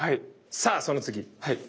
さあその次。